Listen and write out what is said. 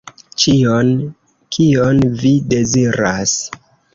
Ĉion, kion vi deziras.